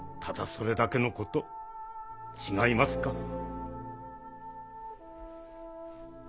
ただそれだけの事違いますか？